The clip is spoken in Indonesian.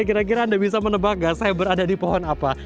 kira kira anda bisa menebak gak saya berada di pohon apa